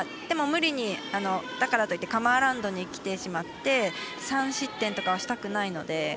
でも無理にだからといってカム・アラウンドにきてしまって３失点とかはしたくないので。